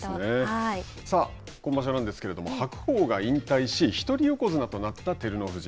さあ今場所なんですけれども白鵬が引退し一人横綱となった照ノ富士。